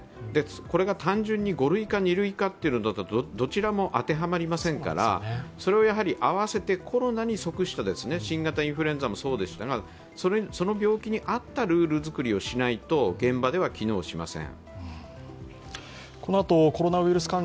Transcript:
これが単純に５類か２類かというと、どちらも当てはまりませんからそれをあわせて、コロナに即した、新型インフルエンザもそうでしたが、その病気に合ったルールづくりをしないと現場では機能しません。